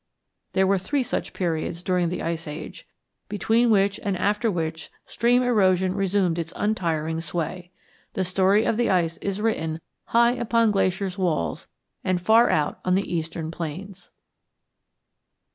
There were three such periods during the Ice Age, between which and after which stream erosion resumed its untiring sway. The story of the ice is written high upon Glacier's walls and far out on the eastern plains.